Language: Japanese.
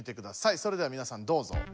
それではみなさんどうぞ。